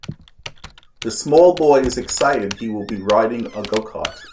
The small boy is excited he will be riding a gocart.